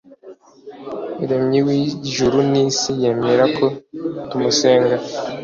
Remyi w ijuru n isi yemera ko tumusenga